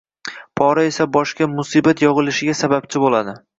Pora esa boshga musibat yog‘ilishiga sababchi bo‘ladi.